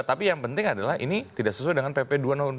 tapi yang penting adalah ini tidak sesuai dengan pp dua ribu tujuh